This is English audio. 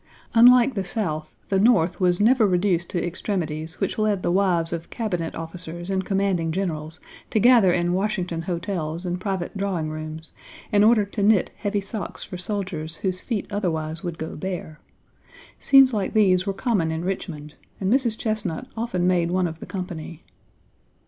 Unlike the South, the North was never reduced to extremities which led the wives of Cabinet officers and commanding generals to gather in Washington hotels and private drawing rooms, in order to knit heavy socks for soldiers whose feet otherwise would go bare: scenes like these were common in Richmond, and Mrs. Chesnut often made one of the company.